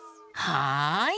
はい！